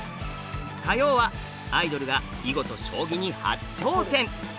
火曜はアイドルが囲碁と将棋に初挑戦！